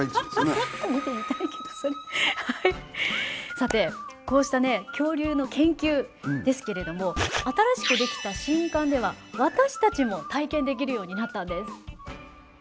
さてこうしたね恐竜の研究ですけれども新しく出来た新館では私たちも体験できるようになったんです。